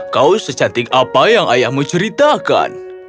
kau secantik apa yang ayahmu ceritakan